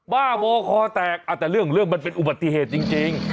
บ้ามอคอแตกแต่เรื่องมันเป็นอุบัติเหตุจริง